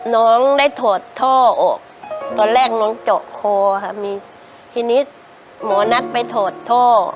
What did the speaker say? น้องได้ถอดท่อออกตอนแรกน้องเจาะคอค่ะมีทีนี้หมอนัดไปถอดท่อ